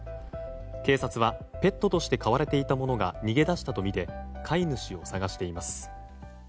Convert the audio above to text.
警察は、ペットとして飼われていたものが逃げ出したとみて飼い主を捜しています。